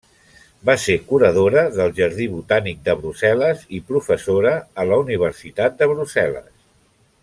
Va ser curadora del jardí Botànic de Brussel·les i professora a la Universitat de Brussel·les.